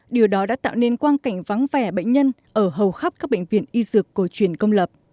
điều đó đã tạo nên quang cảnh vắng vẻ bệnh nhân ở hầu khắp các bệnh viện y dược cổ truyền công lập